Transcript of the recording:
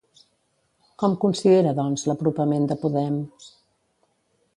Com considera doncs l'apropament de Podem?